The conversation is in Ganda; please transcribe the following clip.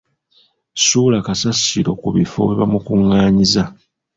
Ssuula kasasiro ku bifo webamukungaanyiza.